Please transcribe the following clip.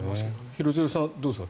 廣津留さん、どうですか？